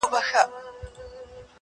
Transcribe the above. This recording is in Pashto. o او د بت سترگي يې ښې ور اب پاشي کړې.